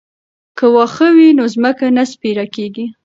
که واښه وي نو ځمکه نه سپیره کیږي.